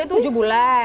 ini umur baby tujuh bulan